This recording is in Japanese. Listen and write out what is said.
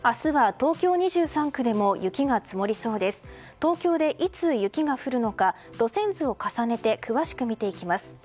東京でいつ雪が降るのか路線図を重ねて詳しく見ていきます。